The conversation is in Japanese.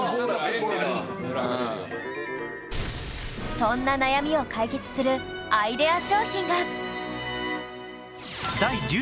そんな悩みを解決するアイデア商品が！